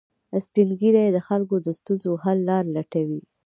سپین ږیری د خلکو د ستونزو حل لارې لټوي